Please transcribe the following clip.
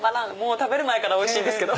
食べる前からおいしいですけど。